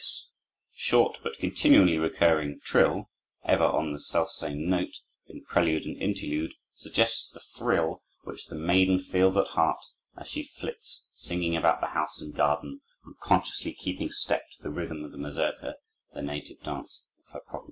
The short but continually recurring trill, "ever on the self same note," in prelude and interlude, suggests the thrill which the maiden feels at heart as she flits singing about the house and garden, unconsciously keeping step to the rhythm of the mazurka, the native dance of her province.